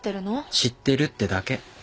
知ってるってだけ。